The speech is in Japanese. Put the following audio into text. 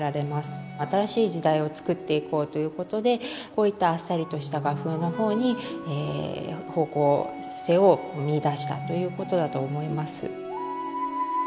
新しい時代をつくっていこうということでこういったあっさりとした画風の方に方向性を見いだしたということだと思います。